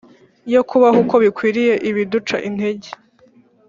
yo kubaho uko bikwiriye ibiduca intege